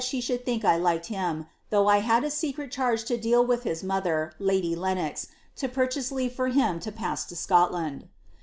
she should think I liked him, though i had a seen bis mother, lady Lenox, lo purchase leave foi him to pass to Scotland."